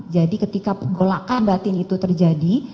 jadi ketika pergolakan batin itu terjadi